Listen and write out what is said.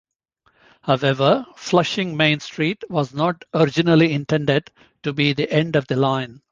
However, Flushing-Main Street was not originally intended to be the end of the line.